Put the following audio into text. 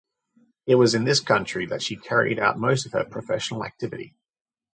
It was in this country that she carried out most of her professional activity.